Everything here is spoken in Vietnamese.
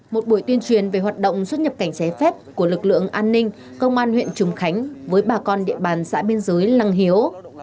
một buổi tuyên truyền về hoạt động xuất nhập cảnh trái phép của lực lượng an ninh công an huyện trùng khánh với bà con địa bàn xã biên giới lăng hiếu